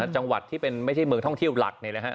จังหวัดที่เป็นไม่ใช่เมืองท่องเที่ยวหลัก